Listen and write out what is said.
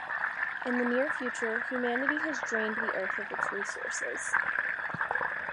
In the near future, humanity has drained the earth of its resources.